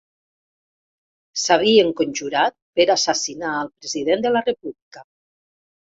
S'havien conjurat per assassinar el president de la república.